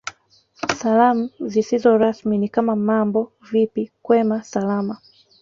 Salamu zisizo rasmi ni kama Mambo vipi kwema Salama